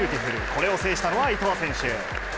これを制したのは伊藤選手。